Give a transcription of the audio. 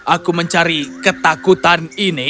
aku mencari ketahanan